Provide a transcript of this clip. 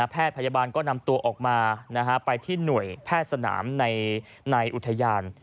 แพทย์พยาบาลก็นำตัวออกมาไปที่หน่วยแพทย์สนามในอุทยาน